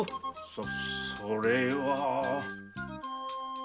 そそれは。